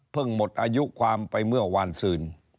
หมดอายุความไปเมื่อวานซืน